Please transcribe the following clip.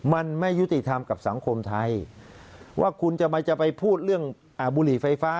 มันไม่ยุติธรรมกับสังคมไทยว่าคุณจะมาจะไปพูดเรื่องบุหรี่ไฟฟ้า